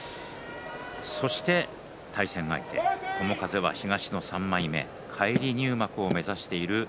そして対戦相手友風は東の３枚目返り入幕を目指している